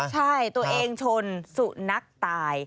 ใช่ตัวเองชนสุนัขตาย